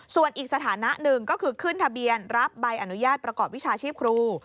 ส่วนอีกสถานะหนึ่งก็คือขึ้นทะเบียนรับใบอนุญาตประกอบวิชาชีพครู